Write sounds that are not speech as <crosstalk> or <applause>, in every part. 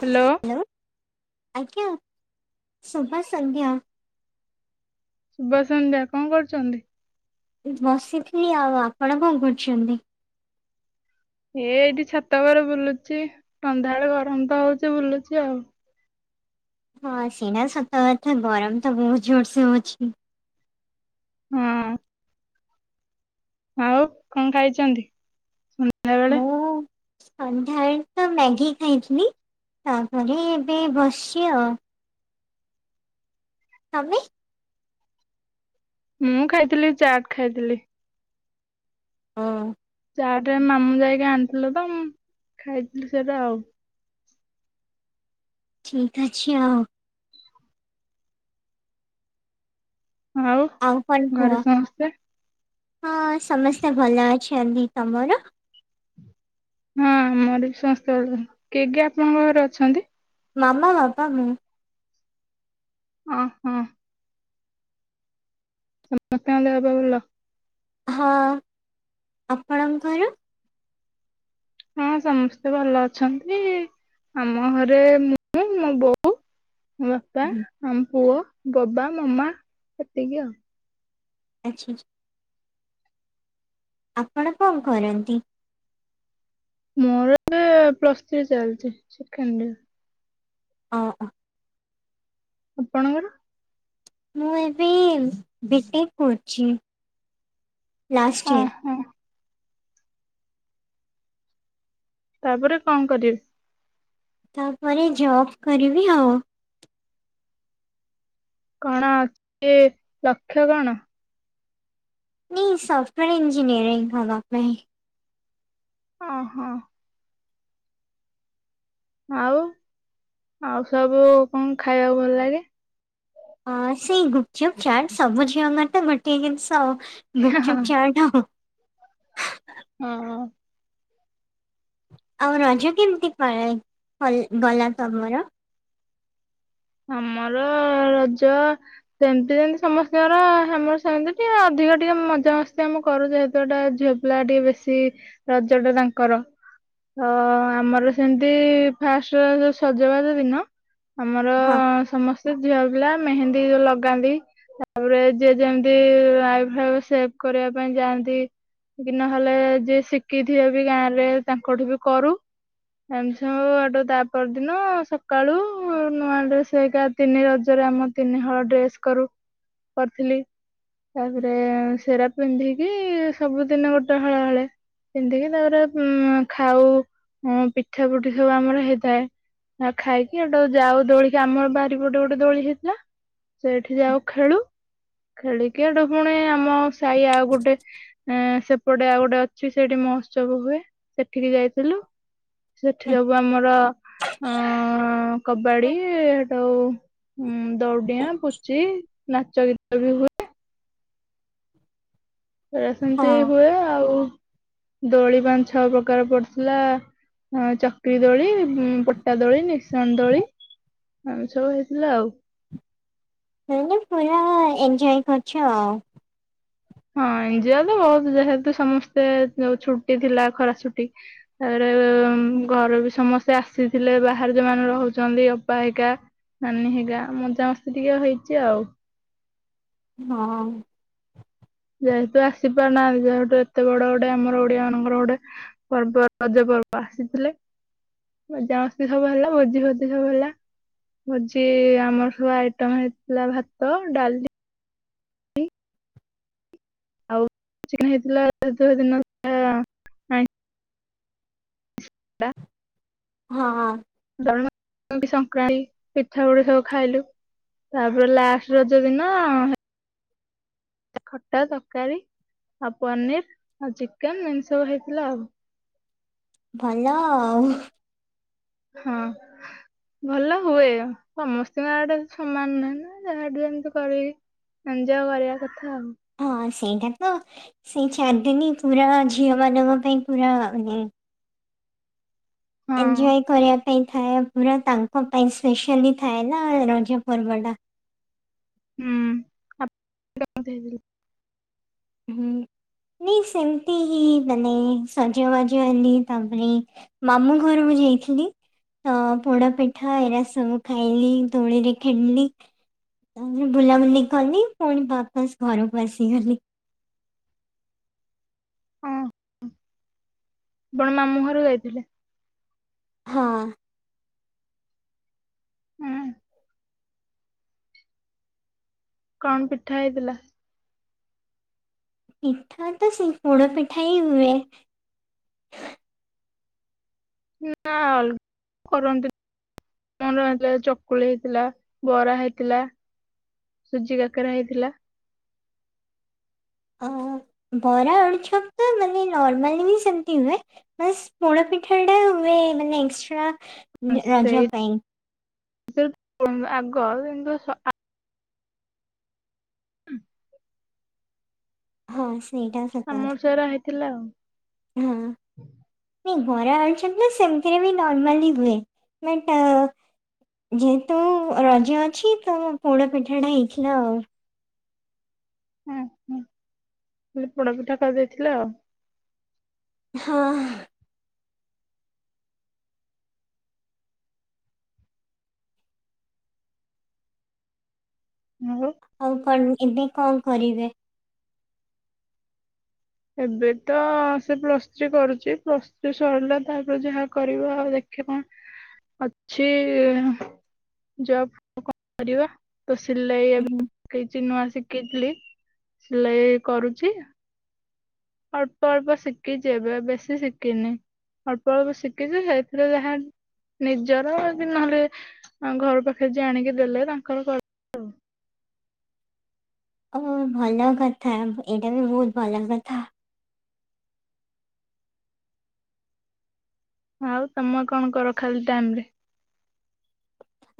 Hello ଆଜ୍ଞା। ସୁଭ ସଂଧ୍ୟା। ସୁଭ ସନ୍ଧ୍ୟା କଣ କରୁଛନ୍ତି? ବସିଥିଲି ଆଉ, ଆପଣ କଣ କରୁଛନ୍ତି? ଏ ଏଇଠି ଛାତ ଉପରେ ବୁଲୁଚି ସନ୍ଧ୍ୟା ବେଳେ ଗରମ ତ ହଉଛି ବୁଲୁଚି ଆଉ ହଁ ସେଇଟା ସତ କଥା ଗରମ ତ ବହୁତ ଜୋର ସେ ହଉଚି। ହଁ। ଆଉ କଣ ଖାଇଛନ୍ତି? ସନ୍ଧ୍ୟାବେଳେ? ମୁଁ ସନ୍ଧ୍ୟା ବେଳେ ତ ମ୍ୟାଗି ଖାଇଥିଲି ତାପରେ ଏବେ ବସ୍‌ଚି ଆଉ। ତମେ ମୁଁ ଖାଇଥିଲି ଚାଟ ଖାଇଥିଲି। ହଁ। ଚାଟେ ମାମୁଁ ଯାଇକି ଆଣିଥିଲେ ତ ମୁଁ ଖାଇଥିଲି ସେଇଟା ଆଉ। ଠିକ ଅଛି ଆଉ। ଆଉ କଣ କୁହ? ଘରେ ସମସ୍ତେ। ହଁ ସମସ୍ତେ ଭଲ ଅଛନ୍ତି। ତମର? ହଁ ମୋର ବି ସମସ୍ତେ ଭଲ। କିଏ କିଏ ଆପଣଙ୍କ ଘରେ ଅଛନ୍ତି? ମାମା, ବାବା, ମୁଁ। ଓ ହ। ସମସ୍ତଙ୍କ ଦେହ ପା ଭଲ? ହଁ, ଆପଣଙ୍କର? ହଁ ସମସ୍ତେ ଭଲ ଅଛନ୍ତି। ଆମ ଘରେ ମୁଁ ମୋ ବୋଉ ମୋ ବାପା ହୁଁ, ଆମ ପୁଅ। ବବା, ମମା ସେତିକି ଆଉ ଆଛା ଆଛା। ଆପଣ କଣ କରନ୍ତି? ମୋର ଏବେ ପ୍ଲସ୍ ଥ୍ରୀ ଚାଲିଛି ସେକେଣ୍ଡ ଇଅର। ଓ ଅ। ଆପଣଙ୍କର? ମୁଁ ଏବେ ବି ଟେକ୍ କରୁଛି। ଲାଷ୍ଟ ଓ ଇୟର। ହୋ। ତାପରେ କଣ କରିବେ? ତାପରେ ଜବ୍ କରିବି ଆଉ। କଣ କେ ଲକ୍ଷ କଣ? ନି ସଫ୍ଟୱେୟର ଇନଜିନିୟରିଙ୍ଗ ହେବା ପାଇଁ। ହ ହଁ। ଆଉ ଆଉ ସବୁ କଣ ଖାଇବାକୁ ଭଲ ଲାଗେ? ହ ସେଇ ଗୁପ୍ ଚୁପ୍, ଚାଟ୍ ସବୁଝିଅ ମାନେ ତ ଗୋଟିଏ ଜିନିଷ ଆଉ। ଗୁପ୍ ଚୁପ୍, ଚାଟ ଆଉ। ହଁ। ଆଉ ରଜ କେମିତି ପାଳେ ଗଲା ତମର? ଆମର ରଜ ସେମତି ଯେମିତି ସମସ୍ତଙ୍କର ଆମର ସେମିତି ଟିକେ ଅଧିକ ଟିକେ ମଜା ମସ୍ତି ଆମେ କରୁ ଯେହେତୁ ଏଟା ଝିଅ ପିଲା ଟିକେ ବେଶୀ ରଜ ଟା ତାଙ୍କର ତ ଆମର ସେମିତି ଫାଷ୍ଟେ ସଜବାଜ ଦିନ ଆମ ହଁ ର ସମସ୍ ସେ ଝିଅ ପିଲା ମେହେନ୍ଦୀ ଲଗାନ୍ତି। ତାପରେ ଯିଏ ଯେମିତି ଆଇ ଫାଇବ୍ ସେଭ କରିବା ପାଇଁ ଯାଆନ୍ତି। କି ନହେଲେ ଯିଏ ଶିଖିଥିବ ବି ଗାଁ ରେ ତାଙ୍କଠୁ ବି କରୁ ଏମିତି ସବୁ ତା ପର ଦିନ ସକାଳୁ ନୂଆ ଡ୍ରେସ ହେରିକା ତିନି ରଜରେ ଆମ ତିନି ହଳ ଡ୍ରେସ କରୁ କରିଥିଲି। ତାପରେ ସେରା ପିନ୍ଧିକି ସବୁଦିନ ଗୋଟେ ହଳ ହଳେ ପିନ୍ଧିକି ତାପରେ ଉ ଖାଉ ପିଠା ପୁଠି ସବୁ ଆମର ହେଇଥାଏ। ଆ ଖାଇକି ହେଟି ଯାଉ। ଦୋଳିକି ଆମର ବାରିପଟେ ଗୋଟେ ଦୋଳି ହେଇଥିଲା। ସେଇଠି ଯାଉ ଖେଳୁ ଖେଳିକି ହେଟୁ ପୁଣି ଆମ ସାହି ଆଉ ଗୋଟେ ସେପଟେ ଆଉ ଗୋଟେ ଅଛି ସେଇଠି ମହୋତ୍ସବ ହୁଏ ସେଠିକି ଯାଇଥିଲୁ। ସେଠି ଉଁ ସବୁ ଆମର ଅ କବ୍ ଇଏ ଟ ଆଉ ଦଉଁଡିଆ ପୁଚି ନାଚ ଗୀତ ବି ହୁଏ। ସେ ସେମିତି ହଁ। ହୁଏ ଆଉ। ଦୋଳି ପାଁ ଛଅ ପ୍ରକାର ପଡିଥିଲା। ଚକ୍ରି ଦୋଳି ପଟା ଦୋଳି ନିଶା ଣ ଦୋଳି ଏମିତି ସବୁ ହେଇଥିଲା ଆଉ। <unintelligible> ପୁରା ଏଞଜୟ କରୁଛ ଆଉ। ହଁ ଏଞୟ ତ ବହୁତ ଯେହେତୁ ସମସ୍ତେ ଯୋଉ ଛୁଟି ଥିଲା ଖରା ଛୁଟି। ତାପରେ ତ ଘର ବି ସମସ୍ତେ। ସେ ଆସିଥିଲେ ବାହାରେ ଯୋଉମାନେ ରହୁଛନ୍ତି। ଅପା ହୈକା ନାନୀ ହୈକା ମଜାମସ୍ତି ଟିକେ ହେଇଛି ଆଉ। ହଁ। ଯେହେତୁ ଆସି ପାରୁନାହାନ୍ତି। ଯେହେତୁ ଏତେ ବଡ ଗୋଟେ ଆମର ଓଡିଆ ମାନଙ୍କର ଗୋଟେ ପର୍ବ ରଜ ପର୍ବ ଆସିଥିଲେ ମଜାମସ୍ତି ସବୁ ହେଲା। ଭୋଜି ଫୋଜି ସବୁ ହେଲା ଭୋଜି ଆମର ସବୁ ଆଇଟମ ହେଇଥିଲା। ଭାତ ଡାଲି ଆଉ ଚିଲି ହେଇଥିଲା <unintelligible> ଦିନ <unintelligible> ବା। ହଁ। <inaudible> ସଂକ୍ରାନ୍ତି ପିଠା ପୁଡି ସବୁ ଖାଇଲୁ। ତାପରେ ଲାଷ୍ଟ ରଜ ଦିନ ଆ ଖଟା ତରକାରୀ, ଆଉ ପନିର ଆଉ ଚିକେନ ଏମିତି ସବୁ ହେଇଥିଲା ଆଉ। ଭଲ ଆଉ। ହଁ ଭଲ ହୁଏ। ସମସ୍ତିଙ୍କ ଆଡେ ସମାନ ନୁହେଁ ନା ଯାହାଠୁ ଯେମତି କରିବି ଏଞଜୟ କରିବା କ କଥା। ହଁ ସେଇଟା ତ ସେଇ ଚାରିଦିନୀ ପୁରା ଝିଅ ମାନଙ୍କ ପାଇଁ ପୁରା ମାନେ ହଁ ଏନ୍ଜୟ କରିବା ପାଇଁ ଥାଏ। ପୁରା ତାଙ୍କ ପାଇଁ ସ୍ପେଶଆଲି ଥାଏ ନା ରଜପର୍ବ ଟା। ହୁଁ। <unintelligible> ହୁଁ ନାଇଁ ସେମିତି ହିଁ ମାନେ ସଜବାଜ ହେଲି। ତାପରେ ମାମୁଁ ଘରକୁ ଯାଇଥିଲି। ତ ପୋଡ ପିଠା ଏରା ସବୁ ଖାଇଲି ଦୋଳିରେ ଖେଲିଲି। ତାପରେ ବୁଲାବୁଲି କଲି ପୁଣି ବା ବାସ ଘରକୁ ଆସିଗଲି। ହଁ ଆପଣ <inaudible> ମାମୁଁ ଘର ଯାଇଥିଲେ। ହଁ। ହୁଁ କଣ ପିଠା ହେଇଥିଲା। ପିଠା ତ ସେଇ ପୋଡ ପିଠା ହିଁ ହୁଏ। ନା ଅଲ <unintelligible> ରନ୍ତି। ମର ଚକୁଳି ହେଇଥିଲା ବରା ହେଇଥିଲା ସୁଜି କାକରା ହେଇଥିଲା। ଅ ହୁ ବରା ଅଳୁଚପ୍ ତ ମାନେ ନର୍ମାଲି ବି ସେମତି ହୁଏ। ବାସ୍ ପୋଣ ପିଠାଟା ହୁଏ ମାନେ ଏକ୍ସଟ୍ରା। ଇଁ ରଜ ସେଇ ପାଇଁ। <unintelligible> ଆଗ <unintelligible> ହଁ। ସେଇଟା ସତ ଆମର କଥା ସେରା ହେଇଥିଲା ଆଉ। ହଁ ନାଇଁ ବରା ଆଳୁଚପ୍ ନା ସେମିତିରେ ବି ନର୍ମାଲି ହୁଏ। ବଟ୍ ଯେହେତୁ ରଜ ଅଛି, ତ ମୋ ପୋଡ଼ ପିଠାଟା ହେଇଥିଲା ଆଉ। ହୁଁ ହୁଁ ହେଲେ ପୋଡପିଠା କରିଦେଇଥିଲେ ଆଉ। ହଁ। ଆଉ କଣ ଏବେ। କଣ କରିବେ? ଏବେ ତ ସେ ପ୍ଲସ୍ ଥ୍ରୀ କରୁଛି ପ୍ଲସ ଥ୍ରୀ ସରିଲା ତାପରେ ଯାହା କରିବ ଆଉ ଦେଖେ କଣ ଅଛି ଜବ କଣ କର ତ ସିଲେଇ ହୁଁ, ଏବେ ପକେଇଛି ନୂଆ ଶିଖିଥିଲି ସିଲେଇ କରୁଛି। ଅଳ୍ପ ଅଳ୍ପ ଶିଖିଛି ଏବେ ବେଶୀ ଶିଖିନି ଅଳ୍ପ ଅଳ୍ପ ଶିଖିଛି ସେଇଥିରେ ଯାହା ନିଜର ନହେଲେ ଘର ପାଖରେ ଆଣିକି ଦେଲେ ତାଙ୍କର କରୁଛି ଆଉ। ଓ ଭଲ କଥା ଏଇଟା ବି ବହୁତ ଭଲ କଥା। ଆଉ ତମେ କଣ କର ଖାଲି ଟାଇମ ରେ?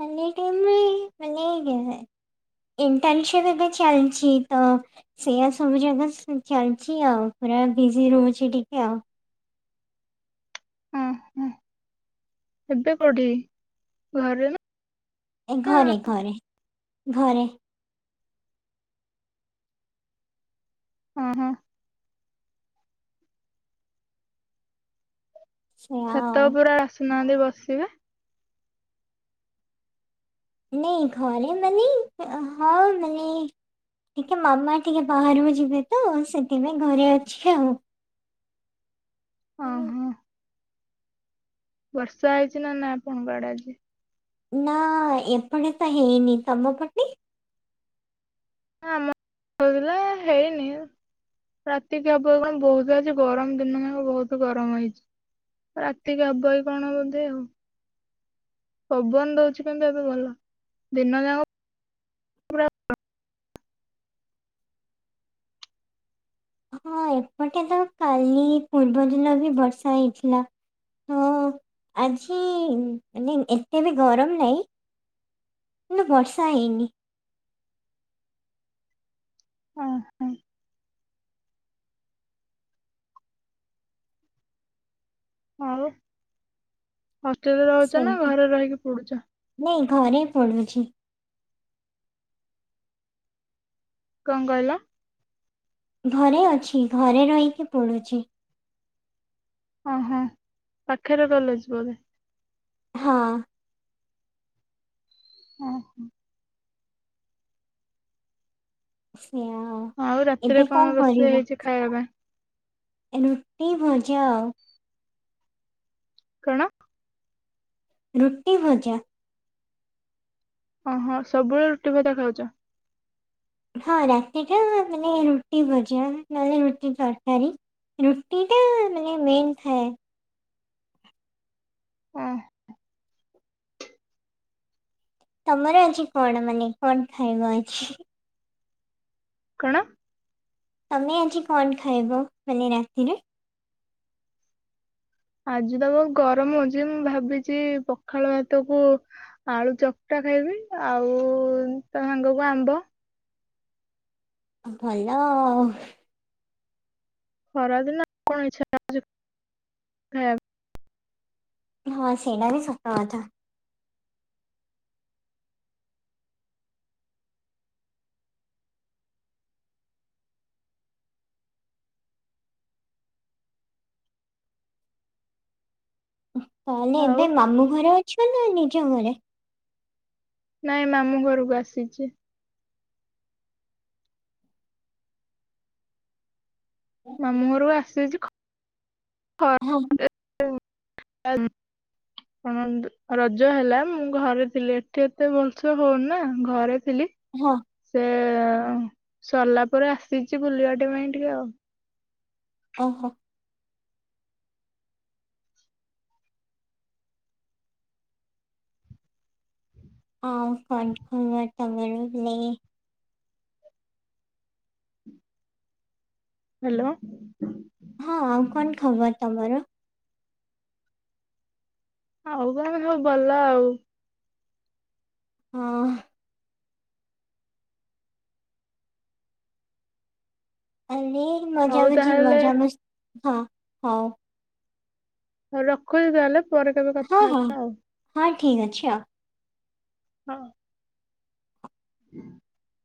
ଖାଲି ଟାଇମ୍ ରେ ମାନେ ଇଣ୍ଟର୍ନସିପ୍ ଏବେ ଚାଲିଛି ତ ସେୟା ସବୁ ଜାଗା ଚାଲିଛି ଆଉ ପୁରା ବିଜି ରହୁଛି ଟିକେ ଆଉ। ଓହୋ ଏବେ କୋଉଠି ଘରେ ନା? ଏ ଘରେ ଘରେ ଘରେ। ହଁ ହଁ। ସେଇଆ ଛାତ ଆଉ ଉପରେ ଆସୁ <unintelligible> ବସିବା। ନାଇ ଘରେ ମାନେ ହଁ ମାନେ ଟିକେ ମାମା ଟିକେ ବାହାରକୁ ଯିବେ ତ ସେଥିପାଇଁ ଘରେ ଅଛି ଆଉ। ଓ ଉଁ, ହୋ। ବର୍ଷା ହେଇଛି ନା ନା ଆପଣଙ୍କ ଆଡେ ଆଜି? ନା ଏପଟେ ତ ହେଇନି ତମ ପଟେ? ନା ଆମ ଏପଟରେ ହେଇନି ରାତିକ ହବ କି କଣ ବହୁତ ଆଜି ଗରମ ଦିନ ଯାକ ବହୁତ ଗରମ ହେଇଛି ରାତିକି ହବ କି କଣ ବୋଧେ ଆଉ ପବନ ଦଉଛି କିନ୍ତୁ ଏବେ ଭଲ ଦିନ ଯାକ। <unintelligible> ହଁ ଏପଟେ ତ କାଲି ପୂର୍ବ ଦିନ ବି ବର୍ଷା ହେଇଥିଲା ତ ଆଜି ମାନେ ଏତେ ବି ଗରମ ନାହିଁ କିନ୍ତୁ ବର୍ଷା ହେଇନି। ଓ ହୋ। ଆଉ। ହଷ୍ଟେଲରେ ରହୁଛ ନା ସେମିତି ଘରେ ରହିକି ପଡୁଛ? ନାଇଁ ଘରେ ପଡୁଛି। କଣ କହିଲ? ଘରେ ଅଛି ଘରେ ରହିକି ପଡୁଛି। ଓହୋ ପାଖରେ କଲେଜ ବୋଧେ? ହଁ। ଓ ହୋ। <unintelligible> ଆଉ ରାତିରେ ଏବେ କଣ ରୋଷେଇ କରିବ ହେଇଛି ଖାଇବା ପାଇଁ? ରୁଟି ଭଜା ଆଉ। କଣ? ରୁଟି ଭଜା। ଓହୋ ସବୁବେଳେ ରୁଟି ଭଜା ଖାଉଛ? ହଁ ରାତିଟା ମାନେ ରୁଟି ଭଜା ନହେଲେ ରୁଟି ତରକାରୀ ରୁଟି ଟା ମାନେ ମେନ୍ ଥାଏ। ହ। ତମର ଆଜି କଣ ମାନେ କଣ ଖାଇବ ଅଛି? କଣ? ତମେ ଆଜି କଣ ଖାଇବ ବେଲେ ରାତିରେ? ଆଜି ତ ବହୁତ ଗରମ ହଉଛି ମୁଁ ଭାବିଛି ପଖାଳ ଭାତ କୁ ଆଳୁ ଚକଟା ଖାଇବି ଆଉ ତା ସାଙ୍ଗକୁ ଆମ୍ବ। ଭଲ ଆଉ। ଖରା ଦିନ ଆଉ କଣ ଇଚ୍ଛା ଖାଇବାକୁ। ହଁ ସେଇଟା ବି ସତ କଥା। <unintelligible> ତମେ ପାଇଁ? ଆଉ ଏବେ ମାମୁଁ ଘରେ ଅଛ ନା ନିଜ ଘରେ? ନାଇଁ ମାମୁ ଘରକୁ ଆସିଛି। ମାମୁଁ ଘରକୁ ଆସିଚି ହ ହଁ <unintelligible> <unintelligible> ରଜ ହେଲା ମୁଁ ଘରେ ଥିଲି ଏଠି ଏତେ ଭଲସେ ହଉନି ନା ଘରେ ଥିଲି ହଁ ସେ ହ ସଲାପରେ ଆସିଚି ବୁଲିବାଟିବା ପାଇଁ ଟିକେ ଆଉ। ଓହୋ ଆଉ କଣ ଖବର ତମେ <unintelligible> ହାଲୋ। ଆଉ କଣ ସବ ଭଲ ଆଉ। ହଁ। ଆଉ ମୁଁ ମଜା ହଉ ମଝଜି ତାହେଲେ ମଜା ମସ୍ ହଁ ହଉ। ହଉ ରଖୁଚି ତାହେଲେ। ପରେ କେବେ କଥା ହେବା ଆଉ। ଠିକ୍ ଅଛି ଆଉ। ହଁ। <inaudible>